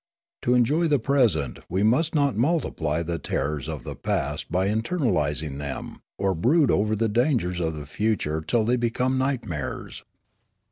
To enjoy the present we must not multiply the terrors of the past by eternalising them, or brood over the dangers of the future till they become nightmares.